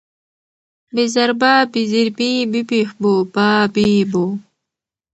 ب زر با، ب زېر بي، ب پېښ بو، با بي بو